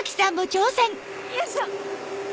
よいしょ！